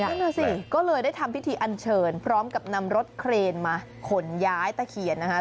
นั่นน่ะสิก็เลยได้ทำพิธีอันเชิญพร้อมกับนำรถเครนมาขนย้ายตะเคียนนะคะ